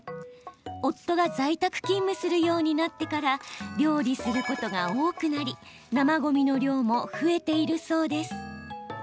夫が在宅勤務するようになってから料理することが多くなり生ごみの量も増えているそうです。